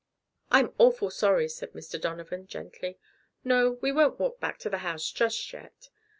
"I'm awful sorry," said Mr. Donovan gently. "No, we won't walk back to the house just yet.